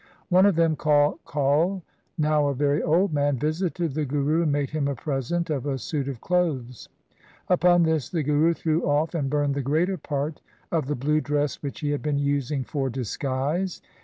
One of them called Kaul, now a very old man, visited the Guru and made him a present of a suit of clothes. Upon this the Guru threw off and burned the greater part of the blue dress which he had been using for disguise.